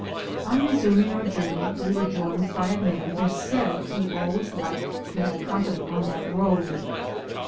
On resuming our journey, we were joined by a man who said he always liked to have company on that road.